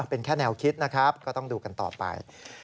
เป็นแค่แนวคิดนะครับก็ต้องดูกันต่อไป